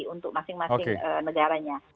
untuk masing masing negaranya